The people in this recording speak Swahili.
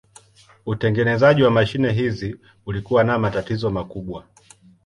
Utengenezaji wa mashine hizi ulikuwa na matatizo makubwa.